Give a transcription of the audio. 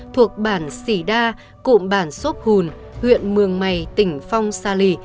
thuộc bản sỉ đa cụm bản xốp hùn huyện mường mày tỉnh phong sa lì